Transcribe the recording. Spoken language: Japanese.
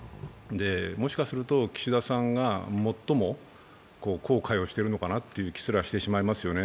もしかすると、岸田さんが最も後悔をしているのかなという気すらしてしまいますよね。